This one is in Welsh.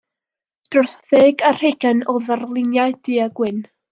Dros ddeg ar hugain o ddarluniau du-a-gwyn.